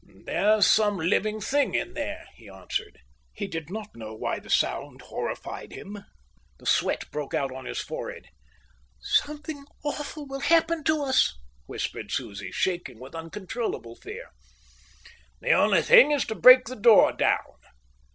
"There's some living thing in there," he answered. He did not know why the sound horrified him. The sweat broke out on his forehead. "Something awful will happen to us," whispered Susie, shaking with uncontrollable fear. "The only thing is to break the door down."